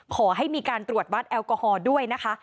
ขอให้มีการตรวจวัดแอลกอฮอล์ด้วยนะคะ